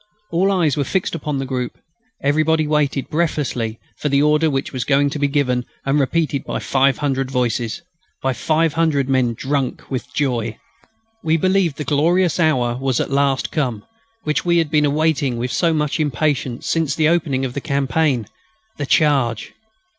All eyes were fixed upon the group. Everybody waited breathlessly for the order which was going to be given and repeated by five hundred voices, by five hundred men drunk with joy. We believed the glorious hour was at last come, which we had been awaiting with so much impatience since the opening of the campaign. The charge!